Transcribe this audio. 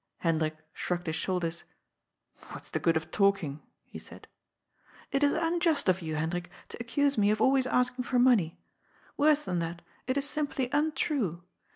Hendrik shrugged his shoulders. " What's the good of talking?" he said. " It is unjust of you, Hendrik, to accuse me of always asking for money. Worse than that, it is simply untrue.